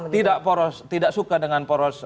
tidak suka dengan poros